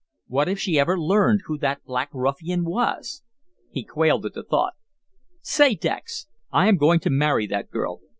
"What if she ever learned who that black ruffian was!" He quailed at the thought. "Say, Dex, I am going to marry that girl."